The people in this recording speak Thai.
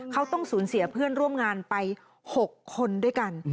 เขาต้องสูญเสียเพื่อนร่วมงานไป๖คนด้วยกัน